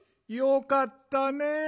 よかったね